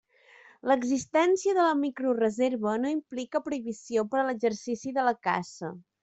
L'existència de la microreserva no implica prohibició per a l'exercici de la caça.